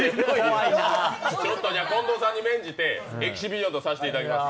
近藤さんに免じてエキシビジョンとさせていただきます。